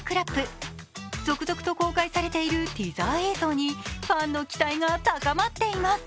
続々と公開されているティザー映像にファンの期待が高まっています。